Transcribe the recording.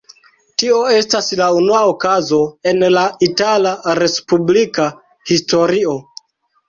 Tio estas la unua okazo en la itala respublika historio.